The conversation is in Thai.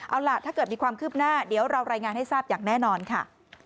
เอาล่ะถ้าเกิดมีความคืบหน้าเดี๋ยวเรารายงานให้ทราบอย่างแน่นอนค่ะ